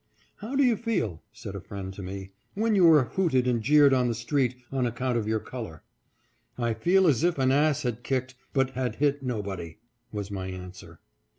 " How do you feel," said a friend to me, " when you are hooted and jeered on the street on account of your color ?" "I feel as if an ass had kicked, but had hit nobody," was my answer.